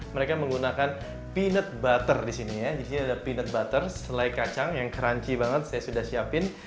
mereka menggunakan peanut butter disini ya disini ada peanut butter selai kacang yang crunchy banget saya sudah siapin